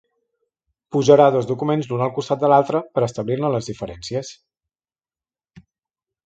Posarà dos documents l'un al costat de l'altre per establir-ne les diferències.